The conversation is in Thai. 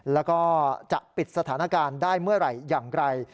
แล้วก็จะปิดสถานการณ์ได้เมื่อไหร่อย่างไร